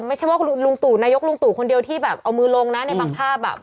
ไม่ใช่ว่าลุงตู่นายกลุงตู่คนเดียวที่แบบเอามือลงนะในบางภาพ